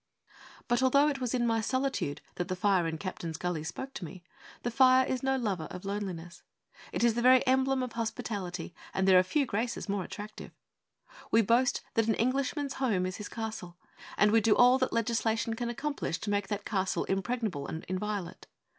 But although it was in my solitude that the fire in Captain's Gully spoke to me, the fire is no lover of loneliness. It is the very emblem of hospitality, and there are few graces more attractive. We boast that an Englishman's home is his castle, and we do all that legislation can accomplish to make that castle impregnable and inviolate.